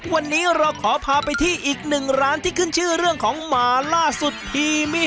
วันนี้เราขอพาไปที่อีกหนึ่งร้านที่ขึ้นชื่อเรื่องของหมาล่าสุดฮีมี่